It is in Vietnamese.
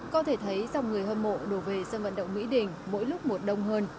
có thể thấy dòng người hâm mộ đổ về sân vận động mỹ đình mỗi lúc mùa đông hơn